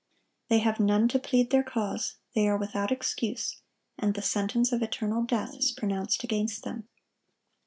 They have none to plead their cause; they are without excuse; and the sentence of eternal death is pronounced against them.